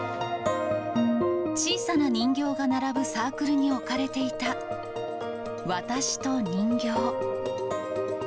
小さな人形が並ぶサークルに置かれていた、私と人形。